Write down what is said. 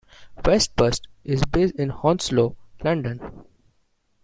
Westbus is based in Hounslow, London.